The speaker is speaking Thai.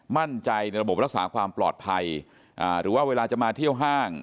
มั่นใจในระบบรักษาความปลอดภัยหรือว่าเวลาจะมาเที่ยวห้าง